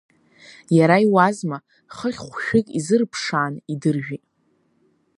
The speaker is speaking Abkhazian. Иара иуазма, хыхь хәшәык изырԥшаан, идыржәит.